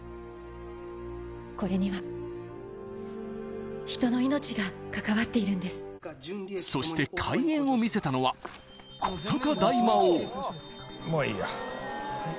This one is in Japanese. これには人の命が関わっているんですそして怪演を見せたのは古坂大魔王もういいやはい？